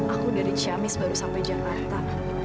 aku dari ciamis baru sampai jakarta